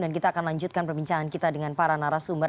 dan kita akan lanjutkan perbincangan kita dengan para narasumber